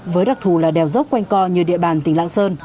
với đặc thù là đèo dốc quanh co như địa bàn tỉnh lạng sơn